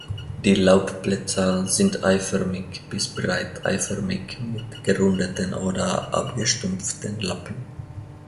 Die Laubblätter sind eiförmig bis breit eiförmig mit gerundeten oder abgestumpften Lappen.